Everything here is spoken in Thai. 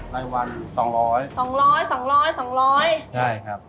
รายวัน๒๐๐ได้ครับ๒๐๐๒๐๐๒๐๐